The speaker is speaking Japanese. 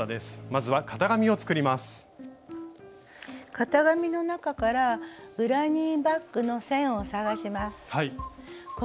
型紙の中からグラニーバッグの線を探します。